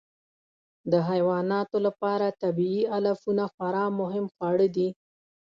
د حیواناتو لپاره طبیعي علفونه خورا مهم خواړه دي.